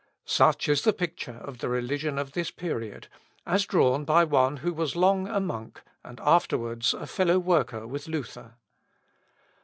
Such is the picture of the religion of this period, as drawn by one who was long a monk, and afterwards a fellow worker with Luther.